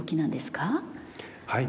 はい。